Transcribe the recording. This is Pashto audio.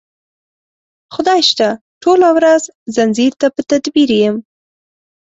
خدای شته ټوله ورځ ځنځیر ته په تدبیر یم